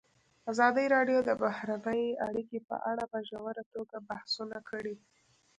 ازادي راډیو د بهرنۍ اړیکې په اړه په ژوره توګه بحثونه کړي.